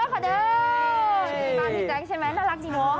บ้านพี่แจ๊งใช่ไหมน่ารักจริงเนอะ